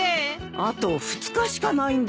あと２日しかないんだよ。